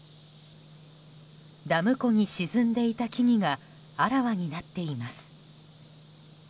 ダム湖に沈んでいた木々があらわになっています。